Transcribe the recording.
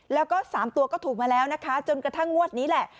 แล้วก็๓ตัวก็ถูกมาแล้วนะคะจนกระทั่งงวดนี้แหละ